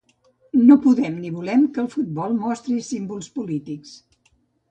No podem ni volem que el futbol mostri símbols polítics.